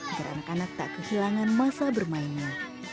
agar anak anak tak kehilangan masa bermainnya